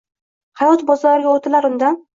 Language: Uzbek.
hayot bozoriga oʼtilar undan